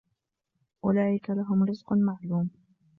أُولَئِكَ لَهُمْ رِزْقٌ مَعْلُومٌ